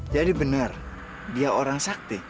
jadi benar dia orang sakti